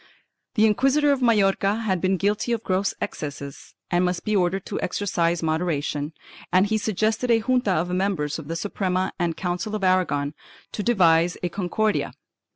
The inquisitor of Majorca had been guilty of gross excesses and must be ordered to exercise moderation, and he suggested a junta of members of the Suprema and Council of Aragon to devise a Concordia.